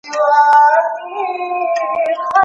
ایا په ډېر تېز تګ کي ساه لنډي پیدا کېږي؟